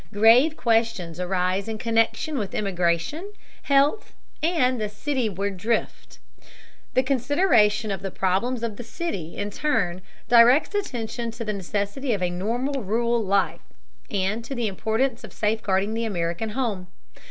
Grave questions arise in connection with immigration, health, and the cityward drift. The consideration of the problems of the city in turn directs attention to the necessity of a normal rural life, and to the importance of safeguarding the American home.